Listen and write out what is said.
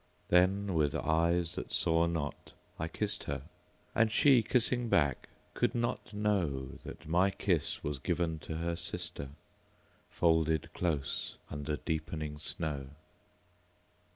Then, with eyes that saw not, I kissed her; And she, kissing back, could not knowThat my kiss was given to her sister, Folded close under deepening snow.